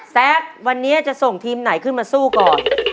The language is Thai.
แซควันนี้จะส่งทีมไหนขึ้นมาสู้ก่อน